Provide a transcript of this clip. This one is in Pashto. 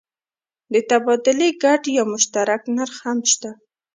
د تبادلې ګډ یا مشترک نرخ هم شته.